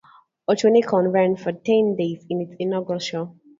Otronicon ran for ten days in its inaugural show.